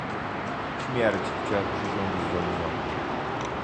"Śmierć cię od przysięgi zwolniła."